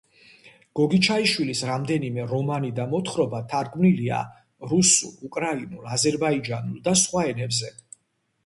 გოგიჩაიშვილის რამდენიმე რომანი და მოთხრობა თარგმნილია რუსულ, უკრაინულ, აზერბაიჯანულ და სხვა ენებზე.